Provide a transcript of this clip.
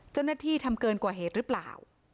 เจ้าหน้าที่ทำเกินกว่าเหตุหรือเปล่า